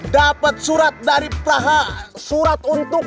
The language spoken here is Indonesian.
dapat surat dari praha surat untuk